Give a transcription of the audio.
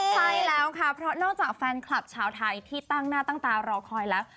ใช่แล้วค่ะเพราะนอกจากแฟนคลับชาวไทยที่ตั้งหน้าตั้งตารอคอยแล้ว